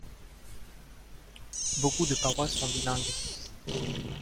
Beaucoup de paroisses sont bilingues.